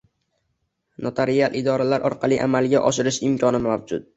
notarial idoralar orqali amalga oshirish imkoni mavjud.